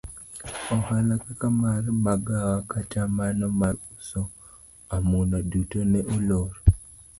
Ohala kaka mar magawa kata mano mar uso amuna duto ne olor.